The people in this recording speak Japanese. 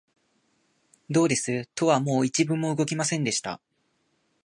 どうです、戸はもう一分も動きませんでした